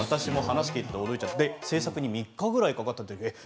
制作に３日ぐらいかかったということです。